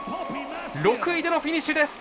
６位でのフィニッシュです